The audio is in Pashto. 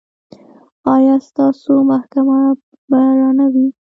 ایا ستاسو محکمه به رڼه وي؟